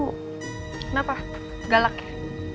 kenapa galak ya